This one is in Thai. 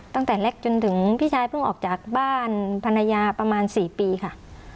ตั้งแต่เล็กจนถึงพี่ชายเพิ่งออกจากบ้านภรรยาประมาณ๔ปีค่ะ